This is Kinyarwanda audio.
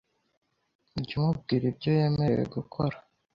jya umubwira ibyo yemerewe gukora